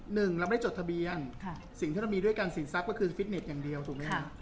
หนึ่งเราไม่ได้จดทะเบียนสิ่งที่เรามีด้วยการสินทรัพย์ก็คือฟิตเน็ตอย่างเดียวถูกไหมคะ